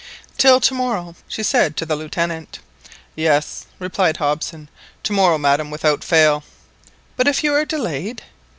"Till to morrow," she said to the Lieutenant. "Yes," replied Hobson, "to morrow, madam, without fail." "But if you are delayed?"